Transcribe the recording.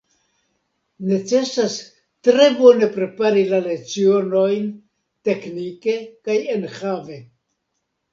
Necesas tre bone prepari la lecionojn teknike kaj enhave.